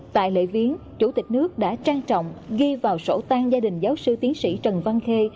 tại lễ viếng chủ tịch nước đã trang trọng ghi vào sổ tang gia đình giáo sư tiến sĩ trần văn khê